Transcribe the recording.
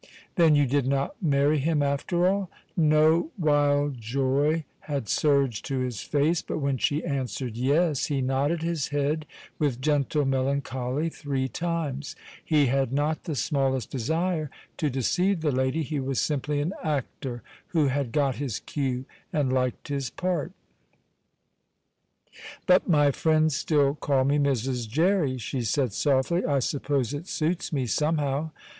"Then you did not marry him, after all?" No wild joy had surged to his face, but when she answered yes, he nodded his head with gentle melancholy three times. He had not the smallest desire to deceive the lady; he was simply an actor who had got his cue and liked his part. [Illustration: "But my friends still call me Mrs. Jerry," she said softly.] "But my friends still call me Mrs. Jerry," she said softly. "I suppose it suits me somehow."